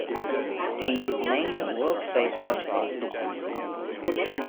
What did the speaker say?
See main WorldSpace article.